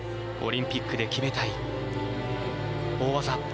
オリンピックで決めたい大技。